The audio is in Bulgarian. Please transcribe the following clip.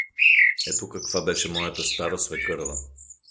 Ето каква беше моята стара свекърва!